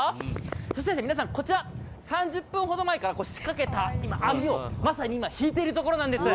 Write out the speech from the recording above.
そして皆さん、こちら、３０分ほど前から仕掛けた今、網をまさに今、引いているところなんです。